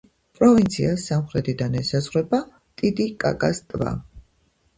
პროვინციას სამხრეთიდან ესაზღვრება ტიტიკაკას ტბა.